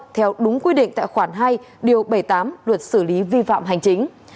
theo đúng quy định tại khoản hai điều bảy mươi tám luật xử lý vi phạm hành chính